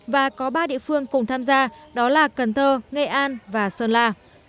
và có ba địa phương cùng tham gia đó là cần thơ nghệ an và sơn la